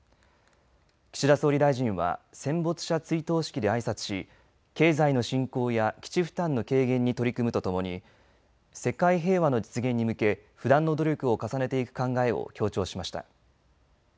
岸田総理大臣は戦没者追悼式であいさつし経済の振興や基地負担の軽減に取り組むとともに世界平和の実現に向け不断の努力を重ねていく考えを強調しました。